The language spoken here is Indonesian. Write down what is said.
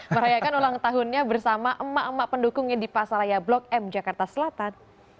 merayakan ulang tahunnya bersama emak emak pendukungnya di pasaraya blok m jakarta selatan